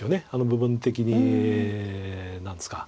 部分的に何ですか。